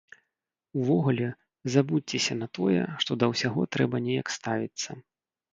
Увогуле, забудзьцеся на тое, што да ўсяго трэба неяк ставіцца.